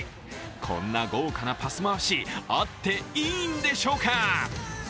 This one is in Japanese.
こんな豪華なパス回しあっていいんでしょうか？